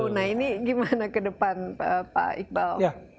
nah ini gimana ke depan pak iqbal